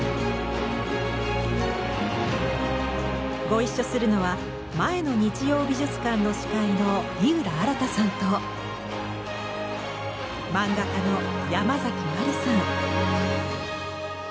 ご一緒するのは前の「日曜美術館」の司会の井浦新さんと漫画家のヤマザキマリさん。